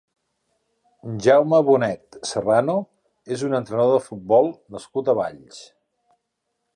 Jaume Bonet Serrano és un entrenador de futbol nascut a Valls.